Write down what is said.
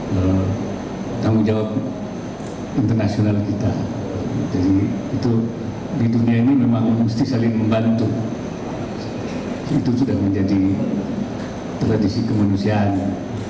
pemerintah indonesia mengirimkan bantuan kemanusiaan kepada negara turkiye